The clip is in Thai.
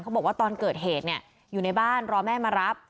บอกว่าตอนเกิดเหตุเนี่ยอยู่ในบ้านรอแม่มารับ